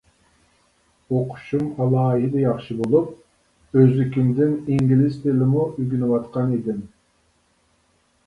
ئوقۇشۇم ئالاھىدە ياخشى بولۇپ، ئۆزلۈكۈمدىن ئىنگلىز تىلىمۇ ئۆگىنىۋاتقان ئىدىم.